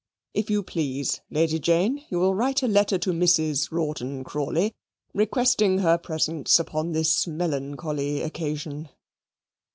"If you please, Lady Jane, you will write a letter to Mrs. Rawdon Crawley, requesting her presence upon this melancholy occasion."